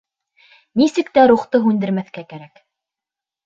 Нисек тә рухты һүндермәҫкә кәрәк.